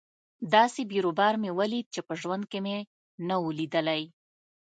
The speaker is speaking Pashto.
داسې بيروبار مې وليد چې په ژوند کښې مې نه و ليدلى.